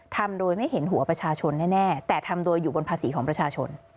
ทำโดยไม่เห็นหัวประชาชนแน่แต่ทำโดยอยู่บนภาษีของประชาชน